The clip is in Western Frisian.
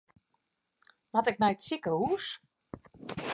Moat ik nei it sikehûs?